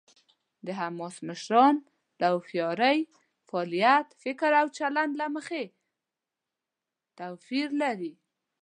د حماس مشران له هوښیارۍ، فعالیت، فکر او چلند له مخې توپیر لري.